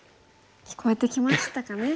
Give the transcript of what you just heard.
聞こえてきましたかね。